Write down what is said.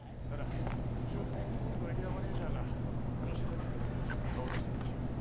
ただショッピングモールのエリアマネージャーが吉田乳業の本社に顔を出してるらしい。